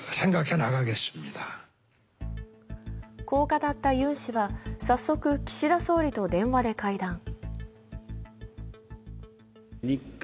こう語ったユン氏は早速、岸田総理と電話で会談。